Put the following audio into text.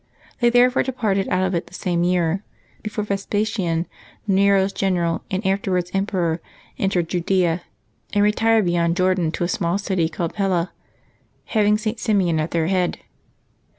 They therefore departed out of it the same year, — before Vespasian, Nero's general, and afterwards emperor, entered Judea, — and retired beyond Jordan to a small city called Pella, having St. Simeon at their head.